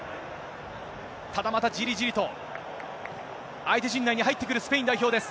ただ、またじりじりと、相手陣内に入ってくるスペイン代表です。